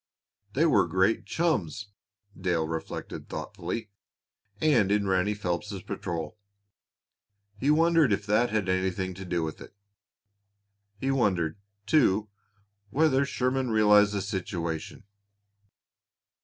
They were great chums, Dale reflected thoughtfully, and in Ranny Phelps's patrol. He wondered if that had anything to do with it. He wondered, too, whether Sherman realized the situation.